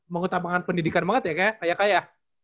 mengetahuan pendidikan banget ya kaya kaya